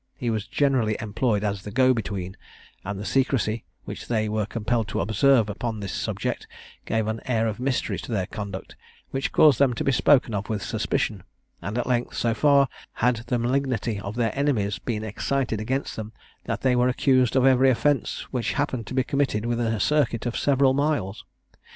He was generally employed as the go between; and the secrecy which they were compelled to observe upon this subject gave an air of mystery to their conduct, which caused them to be spoken of with suspicion; and at length so far had the malignity of their enemies been excited against them, that they were accused of every offence which happened to be committed within a circuit of several miles.